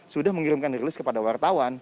sudah mengirimkan dirilis kepada wartawan